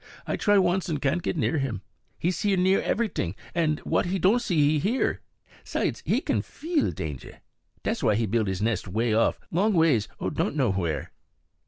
"I try once an' can't get near him. He see everyt'ing; and wot he don't see, he hear. 'Sides, he kin feel danger. Das why he build nest way off, long ways, O don' know where."